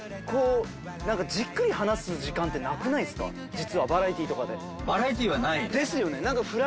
実はバラエティーとかで。